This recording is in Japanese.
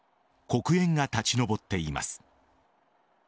黒煙が立ち上っています。